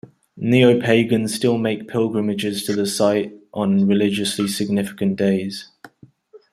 Neopagans still make pilgrimages to the site on religiously significant days.